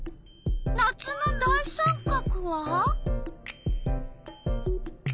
夏の大三角は？